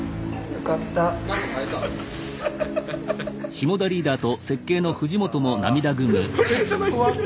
よかった。